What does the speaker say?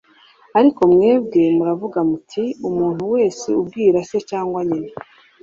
Ariko mwebwe muravuga muti : Umuntu wese ubwira se cyangwa nyina